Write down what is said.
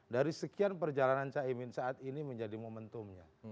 dari sekian perjalanan caimin saat ini menjadi momentumnya